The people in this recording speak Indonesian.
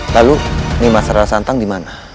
lalu nimas rara santang di mana